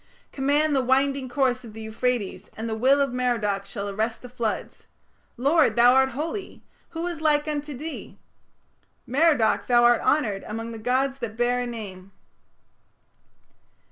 Command the winding course Of the Euphrates, And the will of Merodach Shall arrest the floods. Lord, thou art holy! Who is like unto thee? Merodach thou art honoured Among the gods that bear a name.